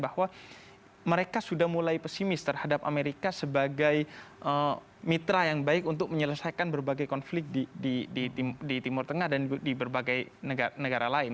bahwa mereka sudah mulai pesimis terhadap amerika sebagai mitra yang baik untuk menyelesaikan berbagai konflik di timur tengah dan di berbagai negara lain